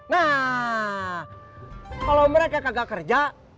nah kalau mereka kagak kerja